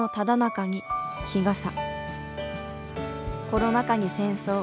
コロナ禍に戦争